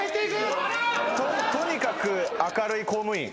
とにかく明るい公務員。